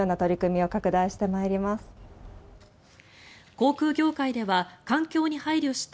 航空業界では環境に配慮して